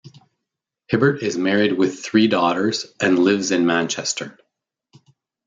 Hibbert is married with three daughters and lives in Manchester.